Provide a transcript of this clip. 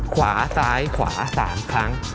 ขวาซ้ายขวา๓ครั้ง